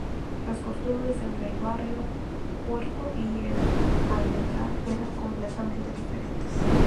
Las costumbres entre el barrio Puerto y el Almendral eran completamente diferentes.